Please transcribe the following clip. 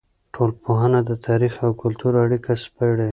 ټولنپوهنه د تاریخ او کلتور اړیکه سپړي.